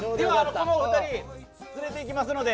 このお二人連れていきますので。